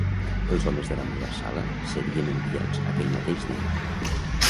Els homes de la meva sala seríem enviats aquell mateix dia